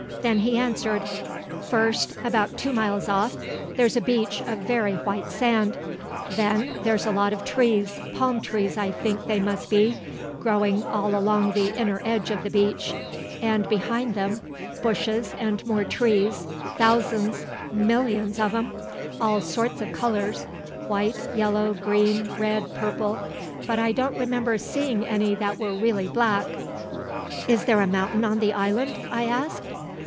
Then he answered: "First, about two miles off, there's a beach of very white sand. Then there's a lot of trees palm trees, I think they must be growing all along the inner edge of the beach, and, behind them, bushes and more trees thousands millions of 'em, of all sorts of colours white, yellow, green, red, purple but I don't remember seein' any that were really black." "Is there a mountain on the island?" I asked.